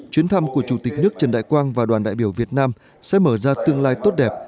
chuyến thăm của chủ tịch nước trần đại quang và đoàn đại biểu việt nam sẽ mở ra tương lai tốt đẹp